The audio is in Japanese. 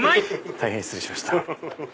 大変失礼しました。